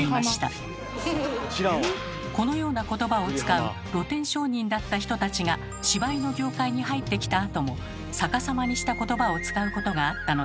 このような言葉を使う露店商人だった人たちが芝居の業界に入ってきたあとも逆さまにした言葉を使うことがあったのです。